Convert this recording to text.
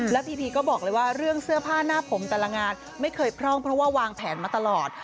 แล้วพีพีก็บอกเลยว่าเรื่องเสื้อผ้าหน้าผมแต่ละงานไม่เคยพร่องเพราะว่าวางแผนมาตลอด